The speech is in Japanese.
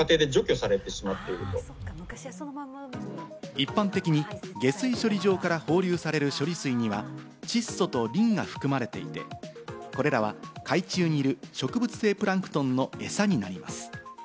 一般的に下水処理場から放流される処理水には窒素とリンが含まれていて、これらは海中にいる植物性プランクトンのエサになります。